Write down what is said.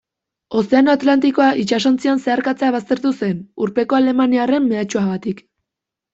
Ozeano Atlantikoa itsasontzian zeharkatzea baztertu zen, urpeko alemaniarren mehatxuagatik.